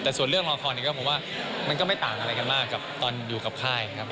แต่ส่วนเรื่องละครเนี่ยก็ผมว่ามันก็ไม่ต่างอะไรกันมากกับตอนอยู่กับค่ายนะครับ